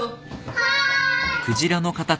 はい。